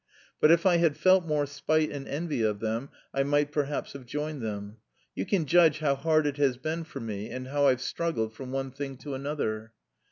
But if I had felt more spite and envy of them I might perhaps have joined them. You can judge how hard it has been for me, and how I've struggled from one thing to another.